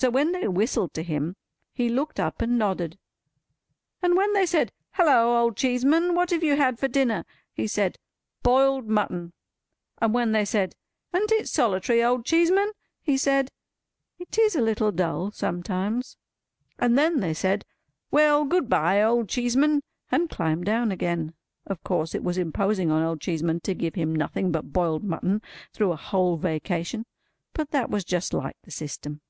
—so when they whistled to him, he looked up and nodded; and when they said, "Halloa, Old Cheeseman, what have you had for dinner?" he said, "Boiled mutton;" and when they said, "An't it solitary, Old Cheeseman?" he said, "It is a little dull sometimes:" and then they said, "Well good bye, Old Cheeseman!" and climbed down again. Of course it was imposing on Old Cheeseman to give him nothing but boiled mutton through a whole Vacation, but that was just like the system.